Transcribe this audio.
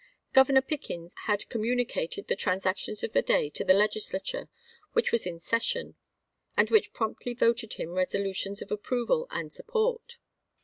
Governor Pickens had communicated the trans actions of the day to the Legislature which was in session, and which promptly voted him resolutions of approval and support.